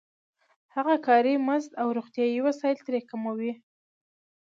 هغه کاري مزد او روغتیايي وسایل ترې کموي